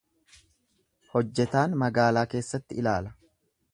Hojjetaan magaalaa keessatti ilaala.